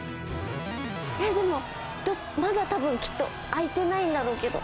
でも、まだ多分、きっと開いてないんだろうけど。